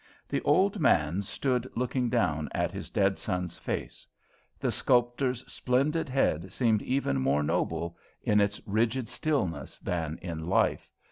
The old man stood looking down at his dead son's face. The sculptor's splendid head seemed even more noble in its rigid stillness than in life.